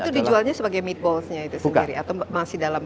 itu dijualnya sebagai meetballsnya itu sendiri atau masih dalam